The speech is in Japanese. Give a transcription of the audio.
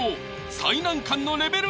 最難関のレベル